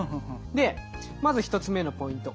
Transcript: でまず１つ目のポイント。